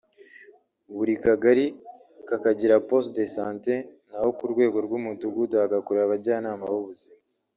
buri Kagali kakagira post de santé na ho ku rwego rw’Umudugudu hagakorera abajyanama b’ubuzima